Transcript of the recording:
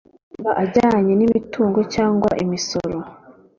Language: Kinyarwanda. yaba ajyanye n’imitungo cyangwa imisoro